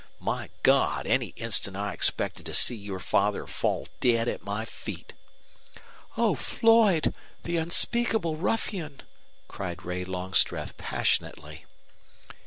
My God, any instant I expected to see your father fall dead at my feet!" "Oh, Floyd! The unspeakable ruffian!" cried Ray Longstreth, passionately.